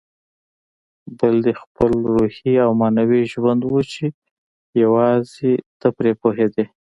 بل دې خپل روحي او معنوي ژوند و چې یوازې ته پرې پوهېدې.